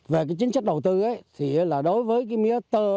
về chính sách đầu tư đối với mía tơ